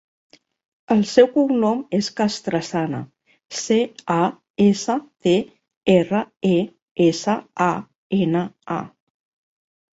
El seu cognom és Castresana: ce, a, essa, te, erra, e, essa, a, ena, a.